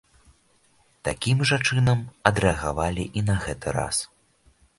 Такім жа чынам адрэагавалі і на гэты раз.